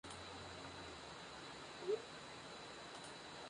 Al final de esa serie, Jonah fue expulsado de Summer Heights High.